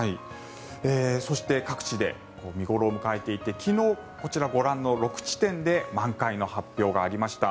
そして各地で見頃を迎えていて昨日、こちらご覧の６地点で満開の発表がありました。